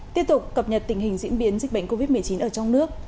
tiếp tục cập nhật tình hình diễn biến dịch bệnh covid một mươi chín ở trong nước